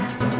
masih gak ya